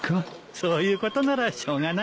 そういうことならしょうがないね。